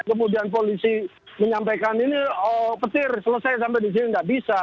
kemudian polisi menyampaikan ini petir selesai sampai di sini tidak bisa